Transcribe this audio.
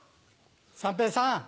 三平さん